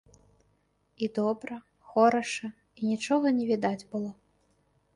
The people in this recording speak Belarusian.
І добра, хораша, і нічога не відаць было.